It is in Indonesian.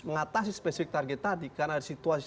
mengatasi target spesifik tadi karena ada situasi